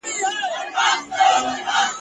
پکښي ناست به د ناحقه شاهدان ول ..